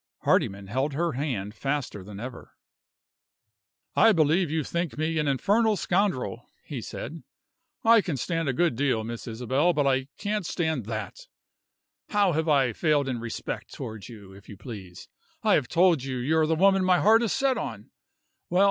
Hardyman held her hand faster than ever. "I believe you think me an infernal scoundrel!" he said. "I can stand a good deal, Miss Isabel, but I can't stand that. How have I failed in respect toward you, if you please? I have told you you're the woman my heart is set on. Well?